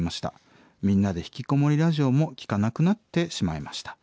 『みんなでひきこもりラジオ』も聴かなくなってしまいました。